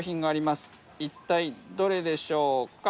一体どれでしょうか？